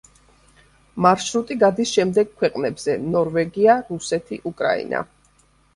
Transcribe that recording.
მარშრუტი გადის შემდეგ ქვეყნებზე: ნორვეგია, რუსეთი, უკრაინა.